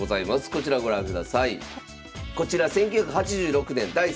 こちらご覧ください。